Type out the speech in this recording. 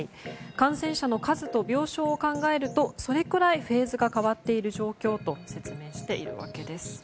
感染者の数と病床を考えるとそれくらいフェーズが変わっている状況と説明しているわけです。